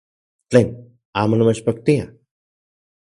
¡Tlen! ¿Amo namechpaktia?